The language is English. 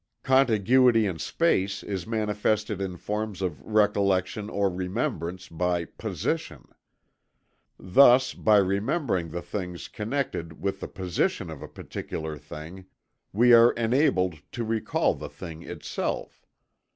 Contiguity in space is manifested in forms of recollection or remembrance by "position." Thus by remembering the things connected with the position of a particular thing, we are enabled to recall the thing itself.